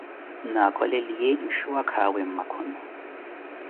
Na akholeliye nshuwakaawe mmakhono.